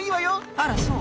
あらそう？